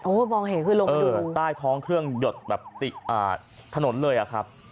มองเห็นคือลงไปดูใต้ท้องเครื่องหยดแบบติดถนนเลยอะครับ